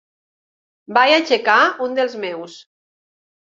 Vaig aixecar un dels meus.